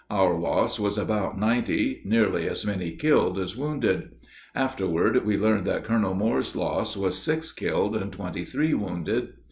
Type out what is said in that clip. Our loss was about ninety, nearly as many killed as wounded. Afterward we learned that Colonel Moore's loss was six killed and twenty three wounded.